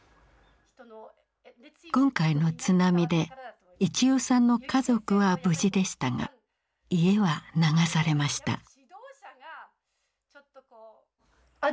今回の津波で一代さんの家族は無事でしたが家は流されました。